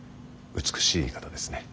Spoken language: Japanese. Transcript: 美しい方ですね。